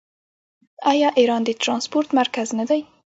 آیا ایران د ټرانسپورټ مرکز نه دی؟